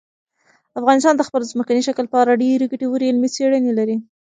افغانستان د خپل ځمکني شکل په اړه ډېرې ګټورې علمي څېړنې لري.